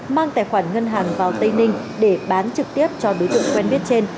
mang tài khoản ngân hàng vào tây ninh để bán trực tiếp cho đối tượng quen biết trên